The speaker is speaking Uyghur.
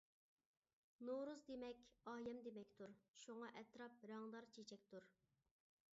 نورۇز دېمەك-ئايەم دېمەكتۇر، شۇڭا ئەتراپ رەڭدار چېچەكتۇر.